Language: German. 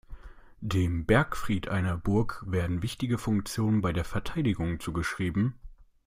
Dem Bergfried einer Burg werden wichtige Funktionen bei der Verteidigung zugeschrieben.